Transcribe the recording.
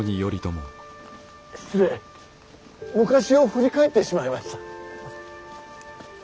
失礼昔を振り返ってしまいました。